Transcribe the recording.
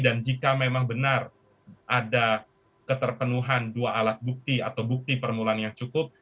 dan jika memang benar ada keterpenuhan dua alat bukti atau bukti permulaan yang cukup